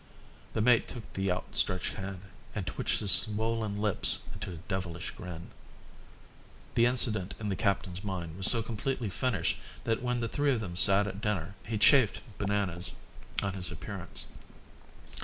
The mate took the outstretched hand and twitched his swollen lips into a devilish grin. The incident in the captain's mind was so completely finished that when the three of them sat at dinner he chaffed Bananas on his appearance.